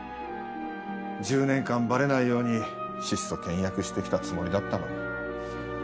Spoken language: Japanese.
１０年間バレないように質素倹約してきたつもりだったのに。